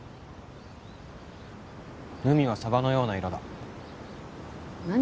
海はサバのような色だ何？